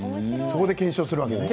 そこで検証するわけね。